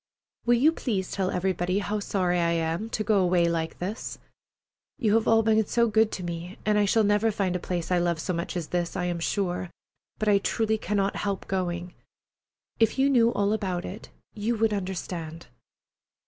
Will you please tell everybody how sorry I am to go away like this? You have all been so good to me, and I shall never find a place I love so much as this, I am sure, but I truly cannot help going. If you knew all about it, you would understand.